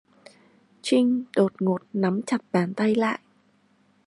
Trinh đột ngột nắm chặt bàn tay lại